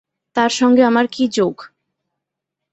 তাঁর সঙ্গে আমার কী যোগ!